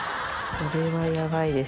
これはヤバいです。